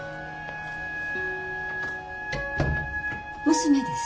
娘です。